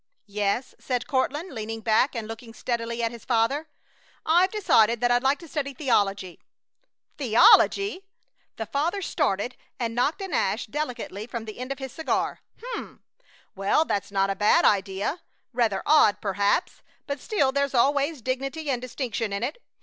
"Yes," said Courtland, leaning back and looking steadily at his father. "I've decided that I'd like to study theology." "Theology!" The father started and knocked an ash delicately from the end of his cigar. "H'm! Well, that's not a bad idea! Rather odd, perhaps, but still there's always dignity and distinction in it.